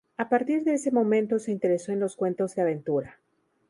A partir de ese momento se interesó en los cuentos de aventura.